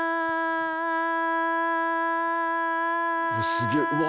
すげぇうわ